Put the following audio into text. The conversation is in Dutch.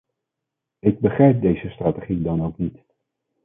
Ik begrijp deze strategie dan ook niet.